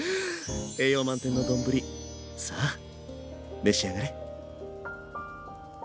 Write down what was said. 栄養満点の丼さあ召し上がれ。